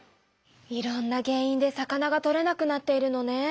いろんな原いんで魚がとれなくなっているのね。